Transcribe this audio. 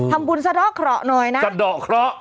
สะดอกเคราะห์หน่อยนะสะดอกเคราะห์